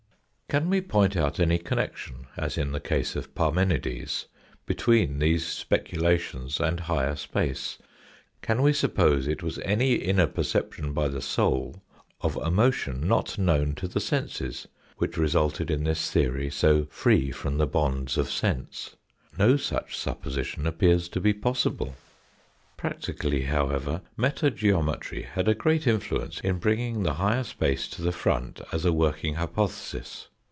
Can we point out any connection, as in the case of Parmenides, between these speculations and higher space ? Can we suppose it was any inner perception by the soul of a motion not known to the senses, which re sulted in this theory so free from the bonds of sense ? No such supposition appears to be possible. Practically, however, metageometry had a great in fluence in bringing the higher space to the front as a working hypothesis.